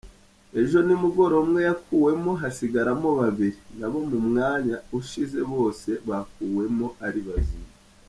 Ejo nimugoroba umwe yakuwemo, hasigaramo babiri, nabo mu mwanya ushize bose bakuwemo ari bazima.